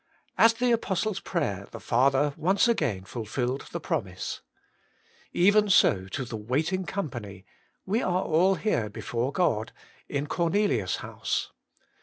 At the apostles' prayer the Father once again fulfilled the promise. Even so to the waiting company —* "We are all here before God' — in Cornelius' house.